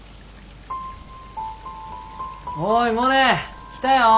おいモネ！来たよ！